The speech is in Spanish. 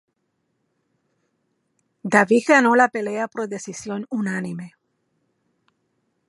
Davis ganó la pelea por decisión unánime.